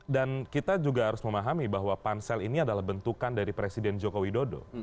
dan kita juga harus memahami bahwa pansel ini adalah bentukan dari presiden joko widodo